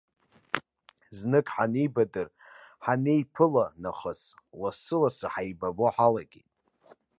Знык ҳанеибадыр, ҳанеиԥыла нахыс, лассы-лассы ҳаибабо ҳалагеит.